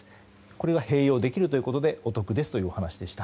これが併用できることでお得ですという話です。